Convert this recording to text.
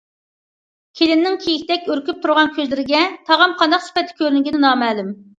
كېلىننىڭ كېيىكتەك ئۈركۈپ تۇرغان كۆزلىرىگە تاغام قانداق سۈپەتتە كۆرۈنگىنى نامەلۇم.